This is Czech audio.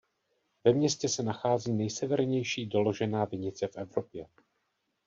Ve městě se nachází nejsevernější doložená vinice v Evropě.